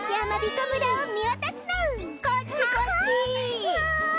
こっちこっち！わい！